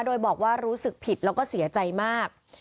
โดยบอกว่ารู้สึกผิดแล้วก็เสียใจมาก